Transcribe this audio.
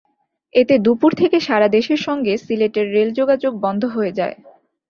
এতে দুপুর থেকে সারা দেশের সঙ্গে সিলেটের রেল যোগাযোগ বন্ধ হয়ে যায়।